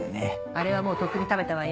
あれはもうとっくに食べたわよ。